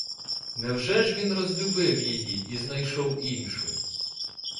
Невже ж він розлюбив її і знайшов іншу?